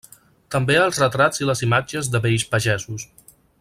També els retrats i les imatges de vells pagesos.